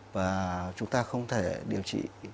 và chúng ta không thể điều trị